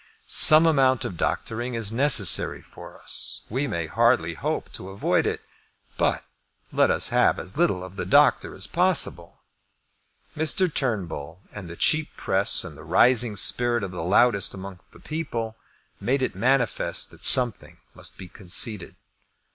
Some amount of doctoring is necessary for us. We may hardly hope to avoid it. But let us have as little of the doctor as possible. Mr. Turnbull, and the cheap press, and the rising spirit of the loudest among the people, made it manifest that something must be conceded.